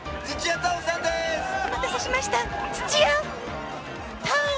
お待たせしました。